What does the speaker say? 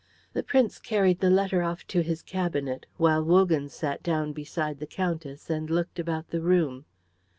The Prince carried the letter off to his cabinet, while Wogan sat down beside the Countess and looked about the room.